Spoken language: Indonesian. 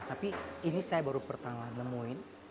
tapi ini saya baru pertama nemuin